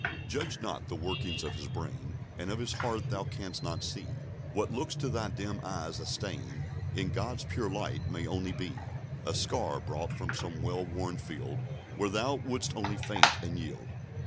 "Judge not; the workings of his brain And of his heart thou canst not see: What looks to thy dim eyes a stain, In God's pure light may only be A scar, brought from some well won field, Where thou wouldst only faint and yield."